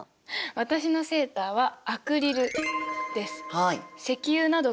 私のセーターはアクリルです。